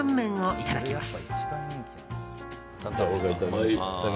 いただきます。